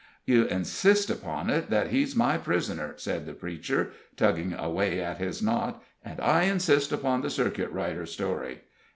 "You insist upon it that he's my prisoner," said the preacher, tugging away at his knot, "and I insist upon the circuit rider story.